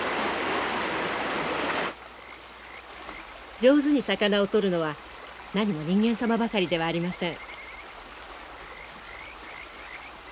上手に魚を取るのはなにも人間様ばかりではありません。